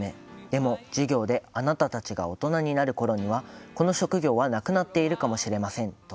でも、授業であなたたちが大人になるころにはこの職業はなくなっているかもしれません。